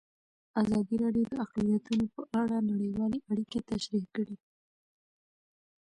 ازادي راډیو د اقلیتونه په اړه نړیوالې اړیکې تشریح کړي.